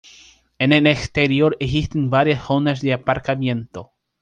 En el exterior existen varias zonas de aparcamiento.